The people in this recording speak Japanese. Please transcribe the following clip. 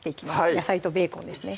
野菜とベーコンですね